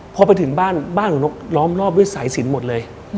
พอไปถึงบ้านบ้านของนกล้อมรอบด้วยสายสินหมดเลย